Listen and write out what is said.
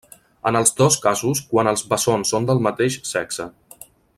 En els dos casos quan els bessons són del mateix sexe.